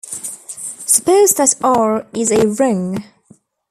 Suppose that "R" is a ring.